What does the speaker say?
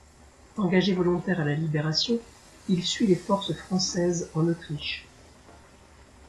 Engagé volontaire à la Libération, il suit les forces françaises en Autriche.